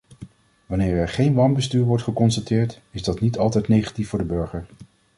Wanneer er geen wanbestuur wordt geconstateerd, is dat niet altijd negatief voor de burger.